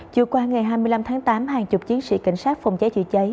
chiều qua ngày hai mươi năm tháng tám hàng chục chiến sĩ cảnh sát phòng cháy chữa cháy